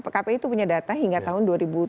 pkpi itu punya data hingga tahun dua ribu tujuh belas